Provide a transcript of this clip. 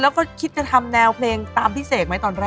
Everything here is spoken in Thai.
แล้วก็คิดจะทำแนวเพลงตามพี่เสกไหมตอนแรก